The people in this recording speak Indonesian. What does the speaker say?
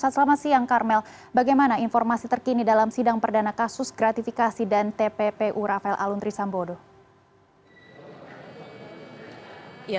selamat siang karmel bagaimana informasi terkini dalam sidang perdana kasus gratifikasi dan tppu rafael aluntri sambodo